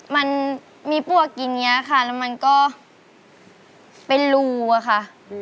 มันมีปวกอย่างนี้ค่ะแล้วมันก็เป็นรูอะค่ะ